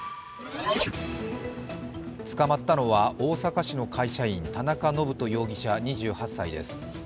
つかまったのは大阪市の会社員、田中信人容疑者、２８歳です。